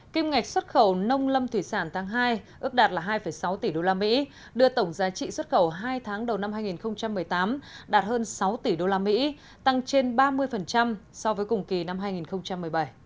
kim ngạch xuất khẩu nông lâm thủy sản tháng hai ước đạt là hai sáu tỷ usd đưa tổng giá trị xuất khẩu hai tháng đầu năm hai nghìn một mươi tám đạt hơn sáu tỷ usd tăng trên ba mươi so với cùng kỳ năm hai nghìn một mươi bảy